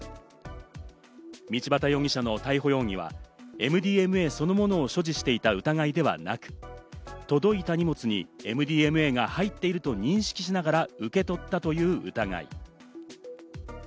道端容疑者の逮捕容疑はＭＤＭＡそのものを所持していた疑いではなく、届いた荷物にＭＤＭＡが入っていると認識しながら受け取ったという疑い。